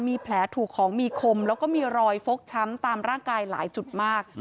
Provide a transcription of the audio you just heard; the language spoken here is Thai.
มีแผลถูกของมีคมแล้วก็มีรอยฟกช้ำตามร่างกายหลายจุดมาก